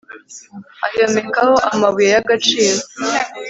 ayomekaho amabuye y agaciro